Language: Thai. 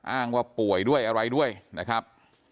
อ้างว่าป่วยด้วยอะไรด้วยนะครับ